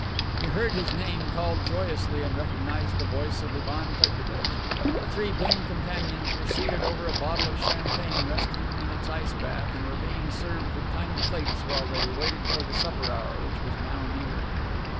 He heard his name called joyously, and recognized the voice of Ivan Petrovitch. The three boon companions were seated over a bottle of champagne resting in its ice bath and were being served with tiny pates while they waited for the supper hour, which was now near.